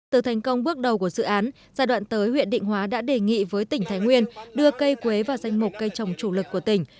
từ thành công bước đầu của dự án giai đoạn tới huyện định hóa đã đề nghị với tỉnh thái nguyên đưa cây quế vào danh mục cây trồng chủ lực của tỉnh